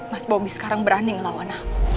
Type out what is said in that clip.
mas bobi sekarang berani ngelawan aku